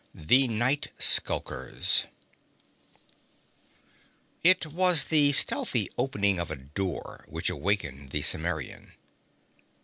2 The Night Skulkers It was the stealthy opening of a door which awakened the Cimmerian.